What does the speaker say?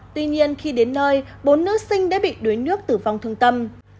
tuy nhiên khi đến nơi bốn nữ sinh đã bị đuối nước tử vong thương tâm